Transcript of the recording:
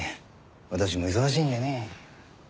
私も忙しいんでね。